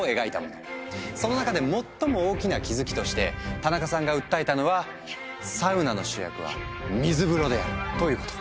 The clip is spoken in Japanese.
その中で最も大きな気付きとしてタナカさんが訴えたのは「サウナの主役は水風呂である」ということ。